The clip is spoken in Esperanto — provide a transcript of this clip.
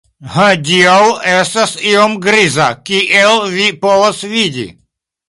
Hodiaŭ estas iom griza kiel vi povas vidi